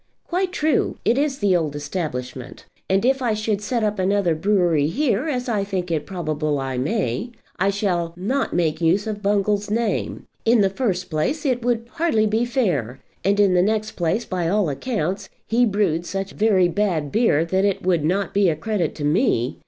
"Quite true; it is the old establishment; and if I should set up another brewery here, as I think it probable I may, I shall not make use of Bungall's name. In the first place it would hardly be fair; and in the next place, by all accounts, he brewed such very bad beer that it would not be a credit to me.